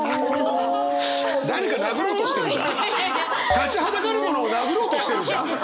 立ちはだかるものを殴ろうとしてるじゃん。